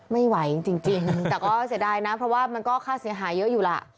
ไม่ไหวจริงแต่ก็เสียดายนะเพราะว่ามันก็ค่าเสียหายเยอะอยู่ล่ะ